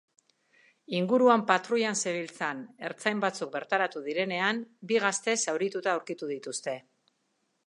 Inguruan patruilan zebiltzan ertzain batzuk bertaratu direnean, bi gazte zaurituta aurkitu dituzte.